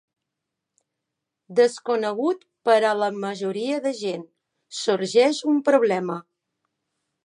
Desconegut per a la majoria de gent, sorgeix un problema.